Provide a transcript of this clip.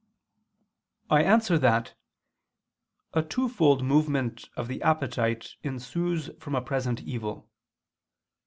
I answer that, A twofold movement of the appetite ensues from a present evil.